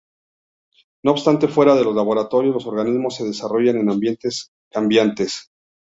No obstante, fuera de los laboratorios los organismos se desarrollan en ambientes cambiantes.